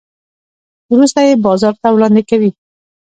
وروسته یې بازار ته وړاندې کوي.